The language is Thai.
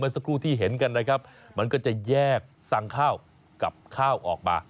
สักครู่ที่เห็นกันนะครับมันก็จะแยกสั่งข้าวกับข้าวออกมา